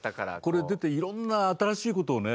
これ出ていろんな新しいことをね